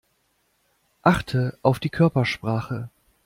Achte auf die Körpersprache.